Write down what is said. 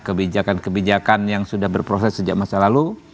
kebijakan kebijakan yang sudah berproses sejak masa lalu